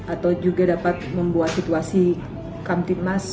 atau juga dapat membuat situasi yang tidak berhasil